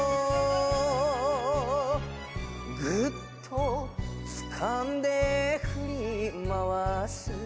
「ぐっとつかんでふりまわす」